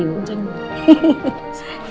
cuma semangat sekolah